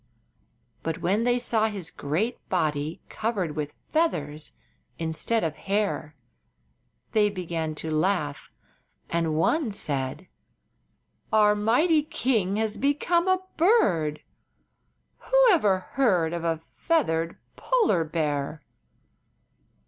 But when they saw his great body covered with feathers instead of hair they began to laugh, and one said: "Our mighty king has become a bird! Who ever before heard of a feathered polar bear?"